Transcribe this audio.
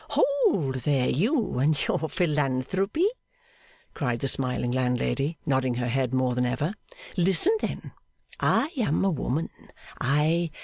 'Hold there, you and your philanthropy,' cried the smiling landlady, nodding her head more than ever. 'Listen then. I am a woman, I.